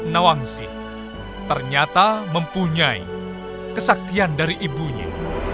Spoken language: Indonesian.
nawangsih ternyata mempunyai kesaktian dari ibunya